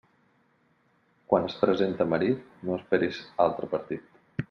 Quan es presenta marit, no esperis altre partit.